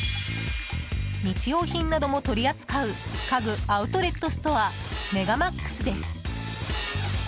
日用品なども取り扱う家具アウトレットストアメガマックスです。